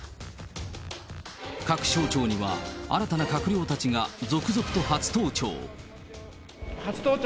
各省庁には新たな閣僚たちが続々と初登庁。